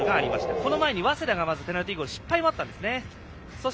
その前に早稲田がペナルティーゴール失敗がありました。